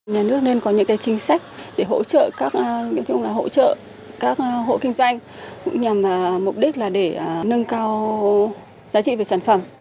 nhà nước nên có những cái chính sách để hỗ trợ các hộ kinh doanh nhằm mục đích là để nâng cao giá trị về sản phẩm